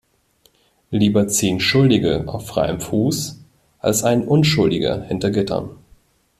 Lieber zehn Schuldige auf freiem Fuß als ein Unschuldiger hinter Gittern.